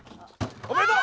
おめでとう！